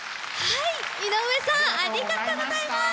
はい井上さんありがとうございます！